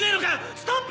ストップ！